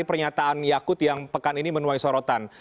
pernyataan yakut yang pekan ini menuai sorotan